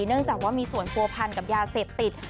เนื่องจากว่ามีส่วนผัวพันกับยาเสพติด